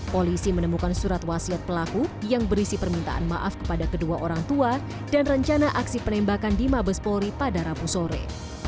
polisi menemukan surat wasiat pelaku yang berisi permintaan maaf kepada kedua orang tua dan rencana aksi penembakan di mabes polri pada rabu sore